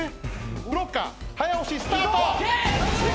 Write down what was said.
ブロッカー早押しスタート。